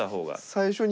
最初に。